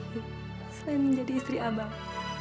selain menjadi istri abang